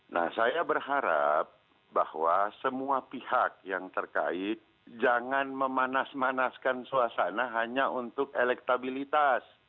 nah saya berharap bahwa semua pihak yang terkait jangan memanas manaskan suasana hanya untuk elektabilitas